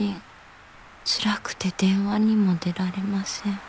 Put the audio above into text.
辛くて電話にも出られません」